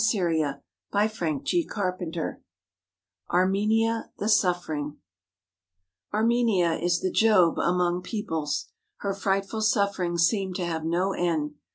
270 CHAPTER XXXII ARMENIA, THE SUFFERING /RMENIA is the Job among peoples. Her frightful i sufferings seem to have no end.